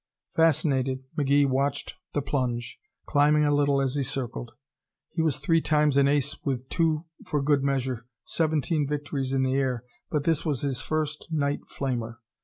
Fascinated, McGee watched the plunge, climbing a little as he circled. He was three times an ace with two for good measure, seventeen victories in the air, but this was his first night flamer.